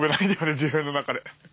自分の中で。